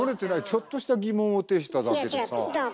ちょっとした疑問を呈しただけでさあ。